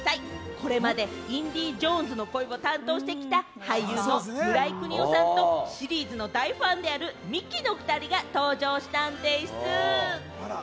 これまでインディ・ジョーンズの声を担当してきた俳優の村井國夫さんとシリーズの大ファンであるミキの２人が登場したんでぃす！